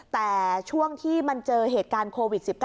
แต่ช่วงที่มันเจอเหตุการณ์โควิด๑๙